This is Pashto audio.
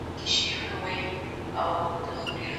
منځګړی بايد د چا استازی وي؟